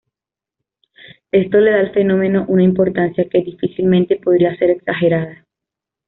Esto le da al fenómeno una importancia que difícilmente podría ser exagerada.